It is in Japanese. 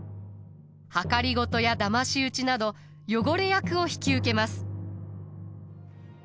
謀やだまし討ちなど汚れ役を引き受けます。